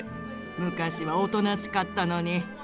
昔はおとなしかったのにご覧なさい